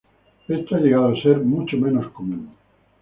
Esto ha llegado a ser mucho menos común.